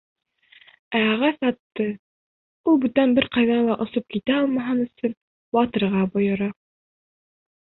Ә ағас атты, улы бүтән бер ҡайҙа ла осоп китә алмаһын өсөн, ватырға бойора.